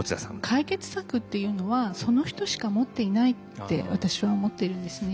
解決策っていうのはその人しか持っていないって私は思っているんですね。